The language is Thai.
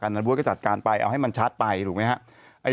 อันนั้นบ๊วยก็จัดการไปเอาให้มันชัดไปถูกไหมฮะ